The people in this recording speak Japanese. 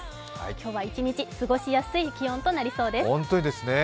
今日は一日過ごしやすい気温となりそうです。